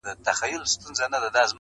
بل دي هم داسي قام لیدلی چي سبا نه لري؟-